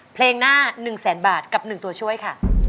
เพลงหน้า๑แสนบาทกับ๑ตัวช่วยค่ะ